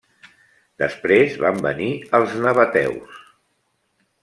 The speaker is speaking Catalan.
Després van venir els nabateus.